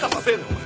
お前。